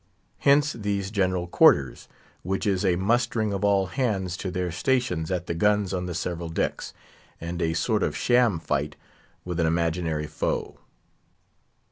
Hence these "general quarters," which is a mustering of all hands to their stations at the guns on the several decks, and a sort of sham fight with an imaginary foe.